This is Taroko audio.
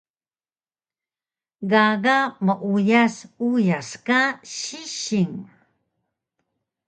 Gaga meuyas uyas ka sisil